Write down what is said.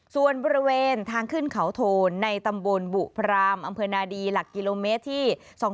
ส่วนบริเวณทางขึ้นเขาโทนในตำบลบุพรามอำเภอนาดีหลักกิโลเมตรที่๒๕๖